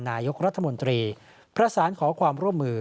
นายกรัฐมนตรีประสานขอความร่วมมือ